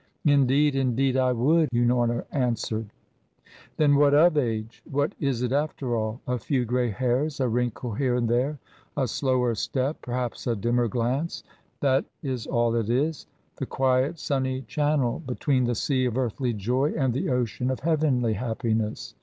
"Indeed, indeed I would!" Unorna answered. "Then what of age? What is it after all? A few gray hairs, a wrinkle here and there, a slower step, perhaps a dimmer glance. That is all it is the quiet, sunny channel between the sea of earthly joy and the ocean of heavenly happiness.